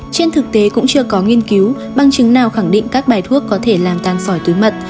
trên thực tế cũng chưa có nghiên cứu bằng chứng nào khẳng định các bài thuốc có thể làm tan sỏi túi mật